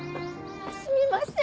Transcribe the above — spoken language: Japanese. ・すみません。